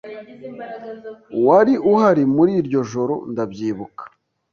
Wari uhari muri iryo joro. Ndabyibuka.